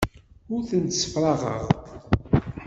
Ur tent-ssefraɣeɣ.